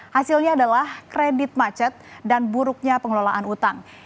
hasilnya adalah kredit macet dan buruknya pengelolaan utang